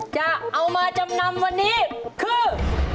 จะเอามาจำนำวันนี้คือ